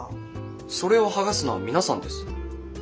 それを剥がすのは皆さんです。